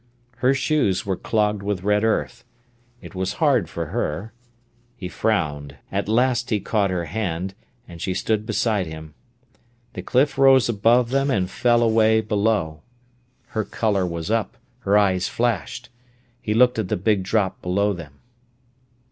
Her shoes were clogged with red earth. It was hard for her. He frowned. At last he caught her hand, and she stood beside him. The cliff rose above them and fell away below. Her colour was up, her eyes flashed. He looked at the big drop below them.